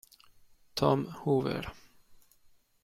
Tom Hoover